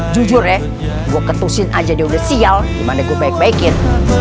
jujur ya gue ketusin aja dia udah sial gimana gue baik baikin